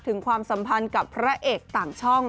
ความสัมพันธ์กับพระเอกต่างช่อง